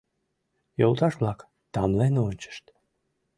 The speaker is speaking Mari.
Йолташ-влак тамлен ончышт.